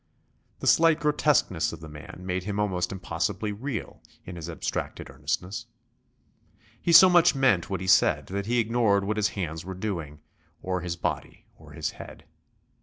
The slight grotesqueness of the man made him almost impossibly real in his abstracted earnestness. He so much meant what he said that he ignored what his hands were doing, or his body or his head.